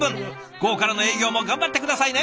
午後からの営業も頑張って下さいね。